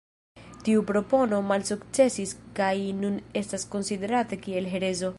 Tiu propono malsukcesis kaj nun estas konsiderata kiel herezo.